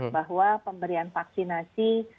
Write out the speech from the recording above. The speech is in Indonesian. bahwa pemberian vaksinasi